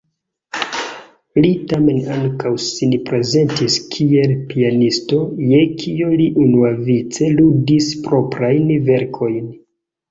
Li tamen ankaŭ sin prezentis kiel pianisto, je kio li unuavice ludis proprajn verkojn.